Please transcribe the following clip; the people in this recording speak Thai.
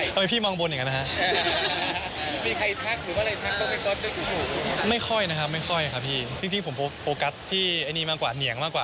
ทำไมพี่มองบนอย่างเงี้ยฮะ